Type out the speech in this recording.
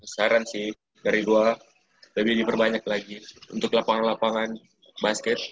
saran sih dari dua lebih diperbanyak lagi untuk lapangan lapangan basket